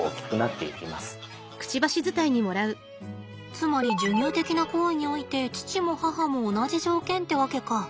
つまり授乳的な行為において父も母も同じ条件ってわけか。